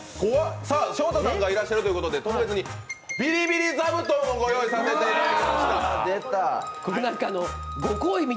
昇太さんがいらっしゃるということで特別にビリビリ座布団をご用意させていただきました。